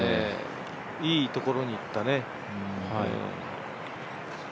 いいところに行ったね。